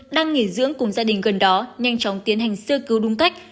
đang nghỉ dưỡng cùng gia đình gần đó nhanh chóng tiến hành sơ cứu đúng cách